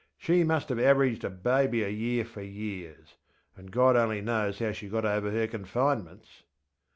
She must have averaged a baby a year for yearsŌĆö and God only knows how she got over her confinements!